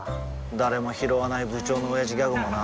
誰もひろわない部長のオヤジギャグもな